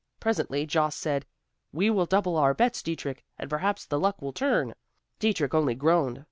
Presently Jost said, 'We will double our bets, Dietrich, and perhaps the luck will turn.' Dietrich, only groaned.